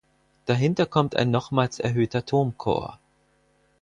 Dahinter kommt ein nochmals erhöhter Turmchor.